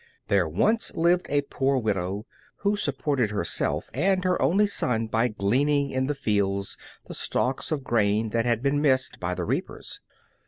THERE once lived a poor widow who supported herself and her only son by gleaning in the fields the stalks of grain that had been missed by the reapers.